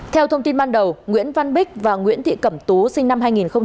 theo thông tin ban đầu nguyễn văn bích và nguyễn thị cẩm tú sinh năm hai nghìn